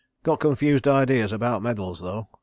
... Got confused ideas about medals though.